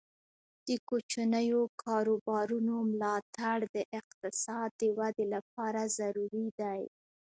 د کوچنیو کاروبارونو ملاتړ د اقتصاد د ودې لپاره ضروري دی.